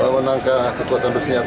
menangkah kekuatan bersejarah